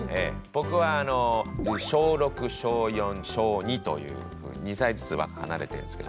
僕は小６小４小２というふうに２歳ずつ離れてるんですけど。